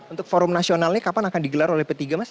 untuk forum nasionalnya kapan akan digelar oleh p tiga mas